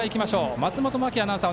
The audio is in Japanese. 松本真季アナウンサー